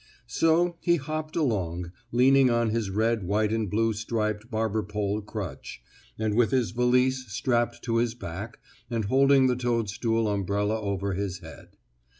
So he hopped along, leaning on his red white and blue striped barber pole crutch, and with his valise strapped to his back, and holding the toadstool umbrella over his head.